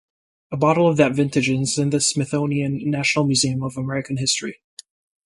A bottle of that vintage is in the Smithsonian National Museum of American History.